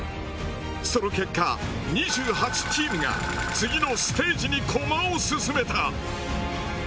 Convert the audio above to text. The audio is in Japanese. その結果２８チームが次のステージに駒を進めた。